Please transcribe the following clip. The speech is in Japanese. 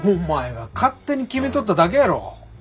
お前が勝手に決めとっただけやろ。